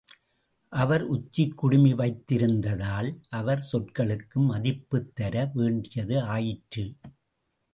அவர் உச்சிக் குடுமி வைத்திருந்ததால் அவர் சொற்களுக்கு மதிப்புத் தர வேண்டியது ஆயிற்று.